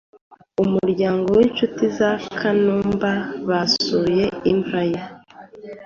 umuryango n’inshuti za Kanumba basuye imva ye